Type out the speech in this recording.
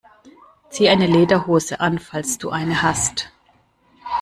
Zieh eine Lederhose an, falls du eine hast!